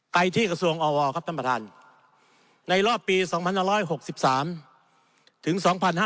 ไปที่กระทรวงอวครับท่านประธานในรอบปี๒๑๖๓ถึง๒๕๕๙